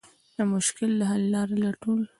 د مشکل د حل لارې لټول.